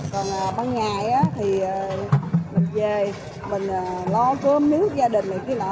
còn ban ngày thì mình về mình lo cơm nước gia đình này kia nọ